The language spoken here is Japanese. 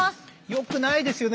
よくないですよね。